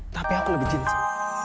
tapi aku lebih cinta